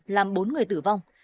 làm bốn người tử vong